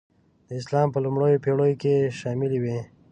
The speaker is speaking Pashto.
د اسلام په لومړنیو پېړیو کې شاملي وې.